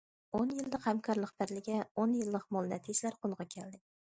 ئون يىللىق ھەمكارلىق بەدىلىگە ئون يىللىق مول نەتىجىلەر قولغا كەلدى.